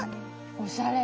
おしゃれ。